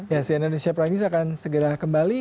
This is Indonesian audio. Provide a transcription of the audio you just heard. ya si anand sya pramjis akan segera kembali